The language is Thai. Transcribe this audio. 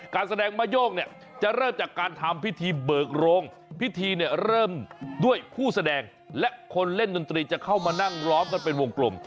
การแสดงมะโย่งเนี่ยจะเริ่มจากการทำพิธีเบิกโรงพิธีเนี่ยเริ่มด้วยผู้แสดงและคนเล่นดนตรีจะเข้ามานั่งล้อมกันเป็นวงกลม